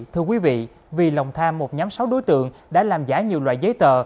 thưa quý vị vì lòng tham một nhóm sáu đối tượng đã làm giả nhiều loại giấy tờ